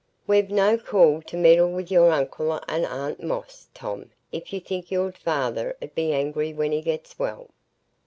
We've no call to meddle with your uncle and aunt Moss, Tom, if you think your father 'ud be angry when he gets well."